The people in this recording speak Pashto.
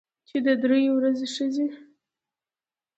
چې د درېو ښځې